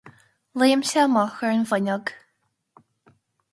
Léim sé amach ar an bhfuinneog.